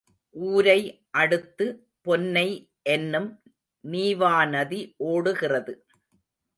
ஊரை அடுத்து பொன்னை என்னும் நீவாநதி ஓடுகிறது.